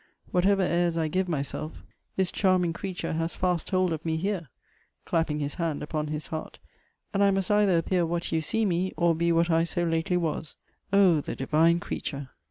Whatever airs I give myself, this charming creature has fast hold of me here [clapping his hand upon his heart]: and I must either appear what you see me, or be what I so lately was O the divine creature!'